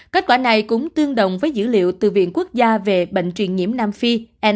kết quả này cũng tương đồng với dữ liệu từ viện quốc gia về bệnh truyền nhiễm nam phi